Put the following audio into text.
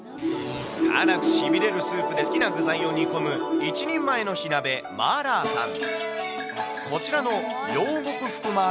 辛くしびれるスープで好きな具材を煮込む、１人前の火鍋、マーラータン。